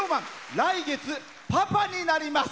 来月、パパになります。